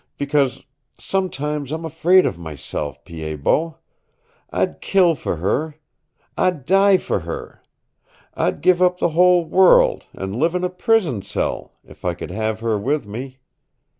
Because sometimes I'm afraid of myself, Pied Bot. I'd kill for her. I'd die for her. I'd give up the whole world, and live in a prison cell if I could have her with me.